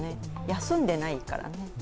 休んでないからね。